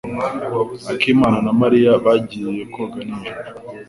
Akimana na Mariya bagiye koga nijoro.